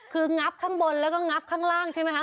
คืองับข้างบนแล้วก็งับข้างล่างใช่ไหมคะ